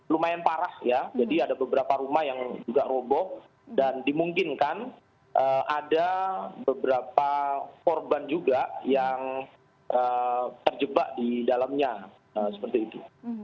lumayan parah ya jadi ada beberapa rumah yang juga roboh dan dimungkinkan ada beberapa korban juga yang terjebak di dalamnya seperti itu